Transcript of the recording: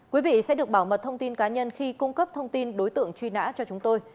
quý vị sẽ được bảo mật thông tin cá nhân khi cung cấp thông tin đối tượng truy nã cho chúng tôi